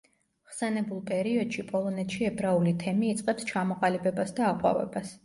ხსენებულ პერიოდში პოლონეთში ებრაული თემი იწყებს ჩამოყალიბებას და აყვავებას.